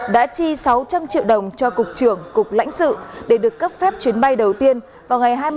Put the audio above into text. đã chi sáu trăm linh triệu đồng cho cục trưởng cục lãnh sự để được cấp phép chuyến bay đầu tiên vào ngày hai mươi ba tháng hai năm hai nghìn hai mươi một